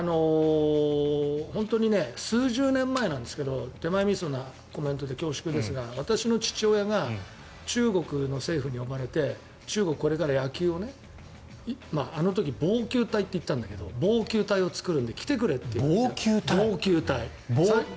本当に数十年前なんですけど手前みそなコメントで恐縮ですが私の父親が中国の政府に呼ばれて中国、これから野球をあの時棒球隊って言ったんだけど棒球隊を作るので来てくれって。